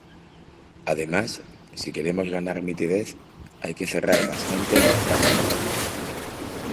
Además, si queremos ganar nitidez, hay que cerrar bastante el diafragma.